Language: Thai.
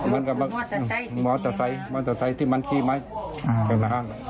มันก็บอกว่าจะใส่ที่มันขี้ไหม